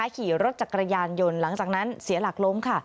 ขี่รถจักรยานยนต์หลังจากนั้นเสียหลักล้มค่ะ